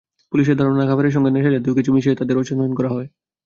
পুলিশের ধারণা, খাবারের সঙ্গে নেশাজাতীয় কিছু মিশিয়ে তাঁদের অচেতন করা হয়।